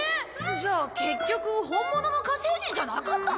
じゃあ結局本物の火星人じゃなかったの？